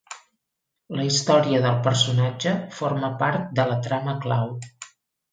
La història del personatge forma part de la trama clau.